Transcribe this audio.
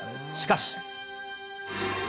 しかし。